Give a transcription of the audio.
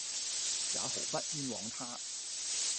也毫不寃枉他。